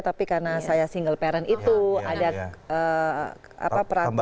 tapi karena saya single parent itu ada peraturan